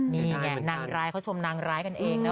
นี่ไงนางร้ายเขาชมนางร้ายกันเองนะ